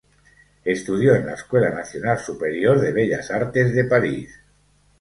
Estudió en la Escuela Nacional Superior de Bellas Artes de París.